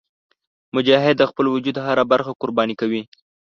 مجاهد د خپل وجود هره برخه قرباني کوي.